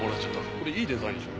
これいいデザインでしょ？